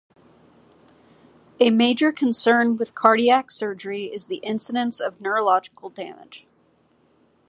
A major concern with cardiac surgery is the incidence of neurological damage.